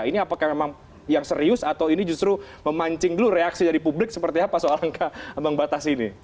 ini apakah memang yang serius atau ini justru memancing dulu reaksi dari publik seperti apa soal angka ambang batas ini